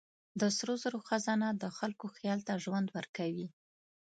د سرو زرو خزانه د خلکو خیال ته ژوند ورکوي.